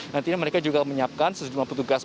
nantinya mereka juga menyiapkan sejumlah petugas